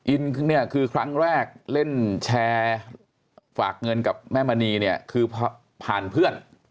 เนี่ยคือครั้งแรกเล่นแชร์ฝากเงินกับแม่มณีเนี่ยคือผ่านเพื่อน